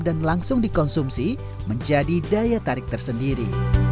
dan langsung dikonsumsi menjadi daya tarik tersendiri